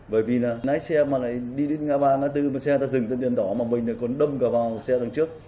bởi vì lái xe mà đi đến ngã ba ngã bốn xe ta dừng tên đèn đỏ mà mình còn đâm vào xe đằng trước